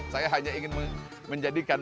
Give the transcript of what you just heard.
saya hanya ingin menjadikan